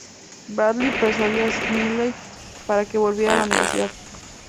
Bradley persuadió a Smiley para que volviera a la universidad.